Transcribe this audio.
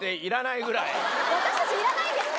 私たちいらないんですか？